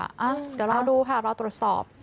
เดี๋ยวรอดูค่ะรอตรวจสอบ